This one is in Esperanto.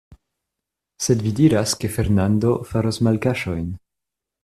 Sed vi diras, ke Fernando faros malkaŝojn.